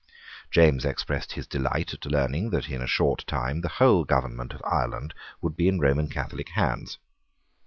James expressed his delight at learning that in a short time the whole government of Ireland would be in Roman Catholic hands.